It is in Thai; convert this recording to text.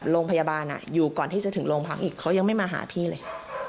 โรงพยาบาลอยู่ก่อนที่จะถึงโรงพักอีกเขายังไม่มาหาพี่เลย